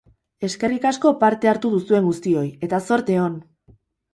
Eskerrik asko parte hartu duzuen guztioi, eta zorte on!